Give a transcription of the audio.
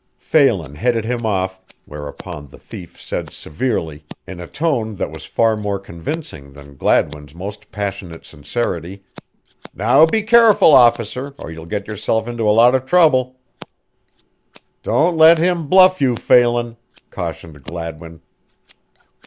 Phelan headed him off, whereupon the thief said severely, in a tone that was far more convincing that Gladwin's most passionate sincerity: "Now be careful, officer, or you'll get yourself into a lot of trouble." "Don't let him bluff you, Phelan," cautioned Gladwin.